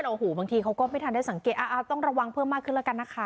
โอ้โหบางทีเขาก็ไม่ทันได้สังเกตต้องระวังเพิ่มมากขึ้นแล้วกันนะคะ